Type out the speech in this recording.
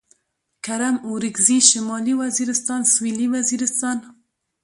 کرم اورکزي شمالي وزيرستان سوېلي وزيرستان